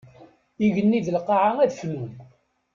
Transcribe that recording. Igenni d lqaɛa ad fnun.